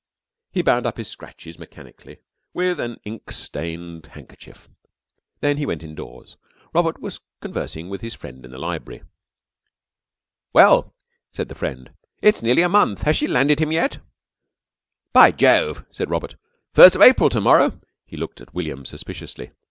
He bound up his scratches mechanically with an ink stained handkerchief. Then he went indoors. Robert was conversing with his friend in the library. "Well," said the friend, "it's nearly next month. Has she landed him yet?" "By Jove!" said Robert. "First of April to morrow!" He looked at William suspiciously.